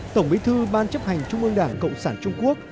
tổng bí thư ban chấp hành trung ương đảng cộng sản trung quốc